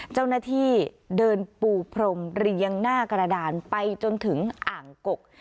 เจ้าหน้าที่เดินปูพรมเรียงหน้ากระดานไปจนถึงอ่างกก